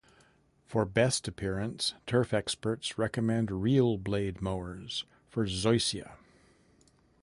For best appearance, turf experts recommend reel blade mowers for zoysia.